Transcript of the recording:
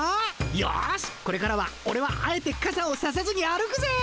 よしこれからはオレはあえてかさをささずに歩くぜ。